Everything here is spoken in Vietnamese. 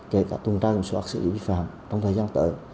kể cả tùng trai hợp sử dụng giấy phép lái xe trong thời gian tới